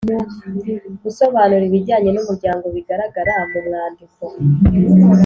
-gusobanura ibijyanye n’umuryango bigaragara mu mwandiko;